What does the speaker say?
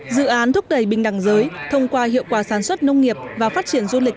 dự án thúc đẩy bình đẳng giới thông qua hiệu quả sản xuất nông nghiệp và phát triển du lịch